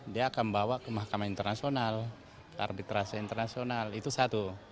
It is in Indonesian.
dia akan bawa ke mahkamah internasional karbitrasi internasional itu satu